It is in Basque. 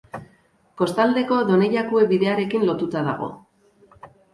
Kostaldeko Donejakue bidearekin lotuta dago.